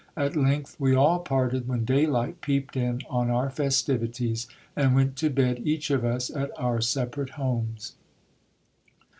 At length, we all parted when daylight peeped in on our festivities, and went to bed each of us at our separate homes.